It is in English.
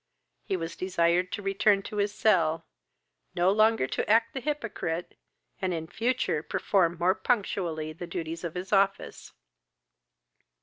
He was desired to return to his cell, no longer to act the hypocrite, and in future to perform more punctually the duties of his office.